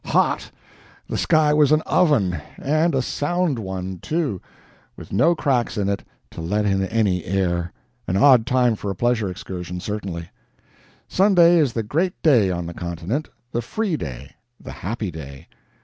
Hot! the sky was an oven and a sound one, too, with no cracks in it to let in any air. An odd time for a pleasure excursion, certainly! Sunday is the great day on the continent the free day, the happy day.